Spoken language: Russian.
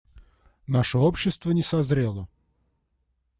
Наше общество не созрело.